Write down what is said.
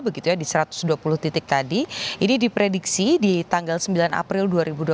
begitu ya di satu ratus dua puluh titik tadi ini diprediksi di tanggal sembilan april dua ribu dua puluh